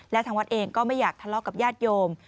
และทางวัดเองก็ไม่อยากทะเลาะกับญาติโยม